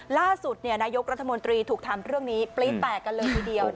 ล่าสุดนายกรัฐมนตรีถูกทำเรื่องนี้ปรี๊ดแตกกันเลยทีเดียว